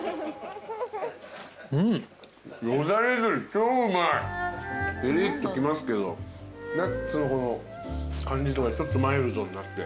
ピリッときますけどナッツのこの感じとかでちょっとマイルドになって。